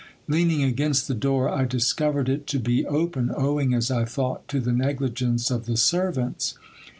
Leaning against the door, I discovered it to be open, owing, as I thought, to the negligence of the servants.